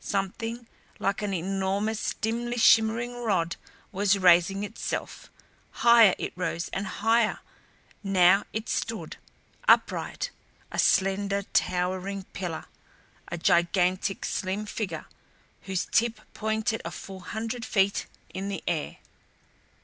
Something like an enormous, dimly shimmering rod was raising itself. Higher it rose and higher. Now it stood, upright, a slender towering pillar, a gigantic slim figure whose tip pointed a full hundred feet in the air.